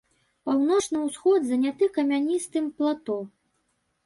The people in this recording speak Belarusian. Паўночны ўсход заняты камяністым плато.